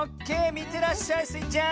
みてらっしゃいスイちゃん！